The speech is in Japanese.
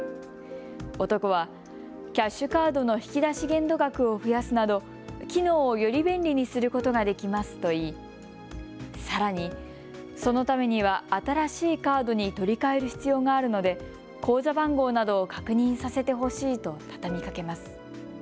男は、キャッシュカードの引き出し限度額を増やすなど機能をより便利にすることができますと言い、さらにそのためには新しいカードに取り替える必要があるので口座番号などを確認させてほしいと畳みかけます。